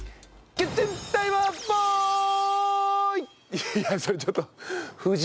いやいやそれちょっと夫人。